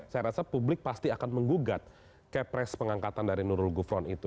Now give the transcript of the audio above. saya rasa publik pasti akan menggugat kepres pengangkatan dari nurul gufron itu